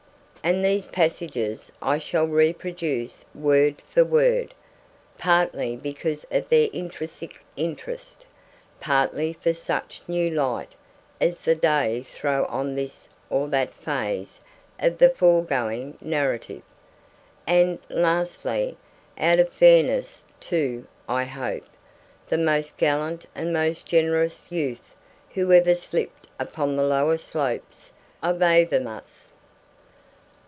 And these passages I shall reproduce word for word; partly because of their intrinsic interest; partly for such new light as they day throw on this or that phase of the foregoing narrative; and, lastly, out of fairness to (I hope) the most gallant and most generous youth who ever slipped upon the lower slopes of Avemus.